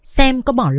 xem có bỏ lọt chi tiết